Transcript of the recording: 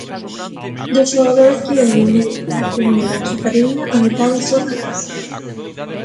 Dos xogadores que veñen de ascender á Superliga, a metade son da casa.